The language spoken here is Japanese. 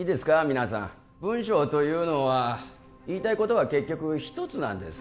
皆さん文章というのは言いたいことは結局一つなんです